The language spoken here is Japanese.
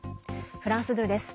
フランス２です。